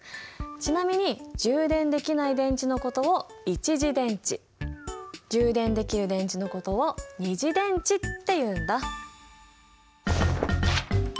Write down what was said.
ちなみに充電できない電池のことを一次電池充電できる電池のことを二次電池っていうんだ。